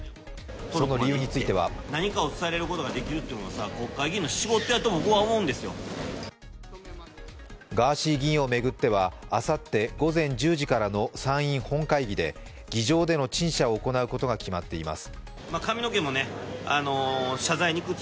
その理由についてはガーシー議員を巡ってはあさって午前１０時からの参院本会議で議場での陳謝を行うことが決まっています。